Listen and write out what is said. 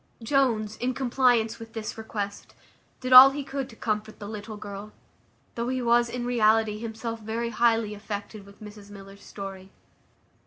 Jones, in compliance with this request, did all he could to comfort the little girl, though he was, in reality, himself very highly affected with Mrs Miller's story.